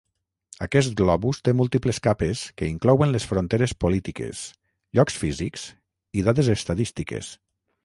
Aquest globus té múltiples capes que inclouen les fronteres polítiques, llocs físics i dades estadístiques.